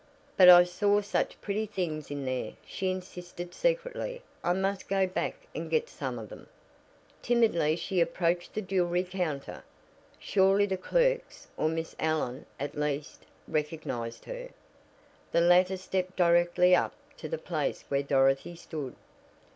"But I saw such pretty things in there," she insisted secretly. "I must go back and get some of them." Timidly she approached the jewelry counter. Surely the clerks, or Miss Allen, at least, recognized her. The latter stepped directly up to the place where Dorothy stood.